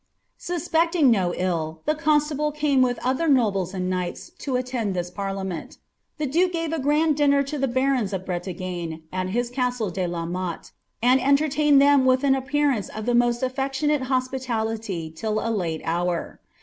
* Suspecting no ill, the constable came with other nobles and knights to attend this parliament The duke gave a grand dinner to the barons of BreUgne, at his castle De la Motte, and entertained them with an ap pearance of the most aifectionate hospitality till a late hour.